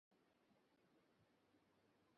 দ্যাখো এক লোক আমাকে কী পাঠিয়েছে।